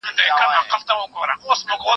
زه پرون کتاب وليکم.